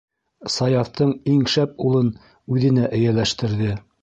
Саяфтың иң шәп улын үҙенә эйәләштерҙе.